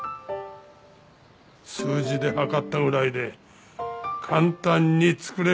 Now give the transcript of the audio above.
数字で量ったぐらいで簡単に作れるものではない！